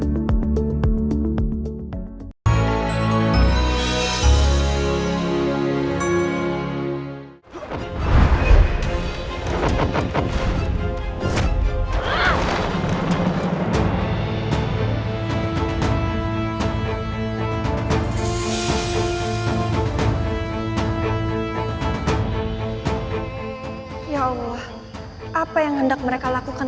ya allah apa yang hendak mereka lakukan